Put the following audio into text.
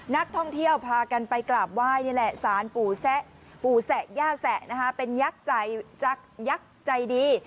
นักท่องเที่ยวพากันไปกราบไหว้นี่แหละสารปู่แสะย่าแสะนะคะเป็นยักษ์ใจยักษ์ใจดี